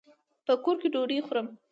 په کور کي ډوډۍ خورم.